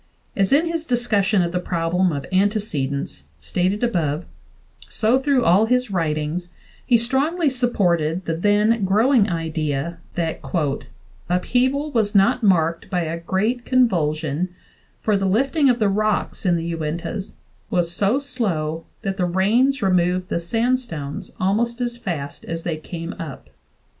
As in his discussion of the problem of antecedence, stated above, so through all his writings, he strongly supported the then growing idea that "upheaval was not marked by a great convulsion, for the lifting of the rocks [in the Uintas] was so slow that the rains removed the sandstones almost as fast as they came up."